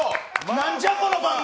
なんじゃ、この番組。